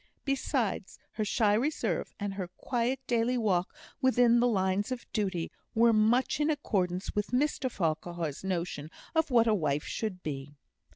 Besides, her shy reserve, and her quiet daily walk within the lines of duty, were much in accordance with Mr Farquhar's notion of what a wife should be.